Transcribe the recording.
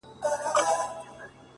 o هغه هم نسته جدا سوی يمه؛